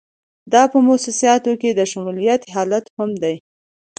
دا په موسساتو کې د شمولیت حالت هم دی.